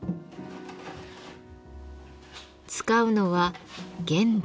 使うのは原土。